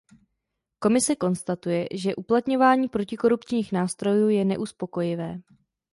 Komise konstatuje, že uplatňování protikorupčních nástrojů je neuspokojivé.